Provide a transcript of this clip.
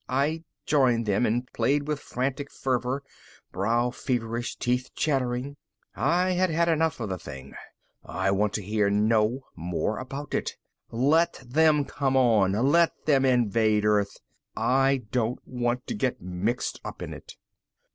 I joined them and played with frantic fervor, brow feverish, teeth chattering. I had had enough of the thing. I want to hear no more about it. Let them come on. Let them invade Earth. I don't want to get mixed up in it.